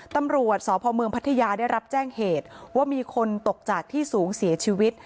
ตำรวจสพเมืองพัทยาได้รับแจ้งเหตุว่ามีคนตกจากที่สูงเสียชีวิต